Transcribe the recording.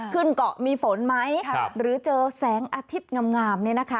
ขึ้นเกาะมีฝนไหมหรือเจอแสงอาทิตย์งาม